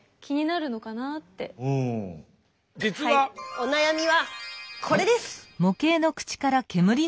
お悩みはこれです！